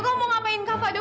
kamu mau ngapain kaka dok